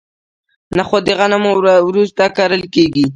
نخود د غنمو وروسته کرل کیږي.